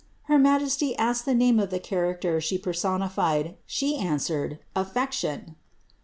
Her majesty asked the name of the character she personified; she answered, ^Affection.'